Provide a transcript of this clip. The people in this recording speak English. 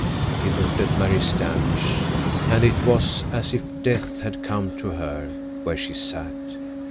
He looked at Mary Standish, and it was as if death had come to her where she sat.